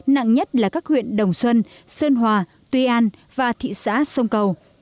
nặng nhất là các huyện đồng xuân sơn hòa tuy an và thị xã sông cầu